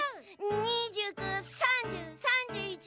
２９３０３１。